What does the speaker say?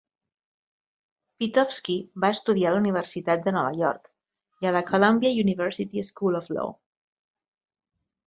Pitofsky va estudiar a la Universitat de Nova York i a la Columbia University School of Law.